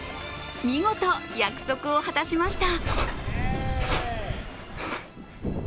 見事、約束を果たしました。